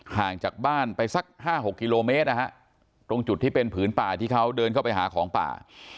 ห่างจากบ้านไปสัก๕๖กิโลเมตรนะฮะตรงจุดที่เป็นผืนป่าที่เขาเดินเข้าไปหาของป่า